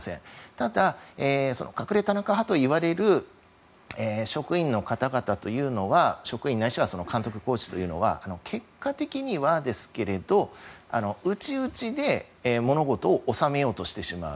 ただ、隠れ田中派といわれる職員ないしは監督、コーチというのは結果的にはですけれど内々で物事を収めようとしてしまう。